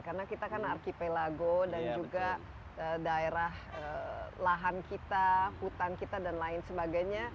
karena kita kan archipelago dan juga daerah lahan kita hutan kita dan lain sebagainya